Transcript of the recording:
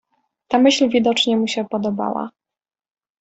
"Ta myśl widocznie mu się podobała."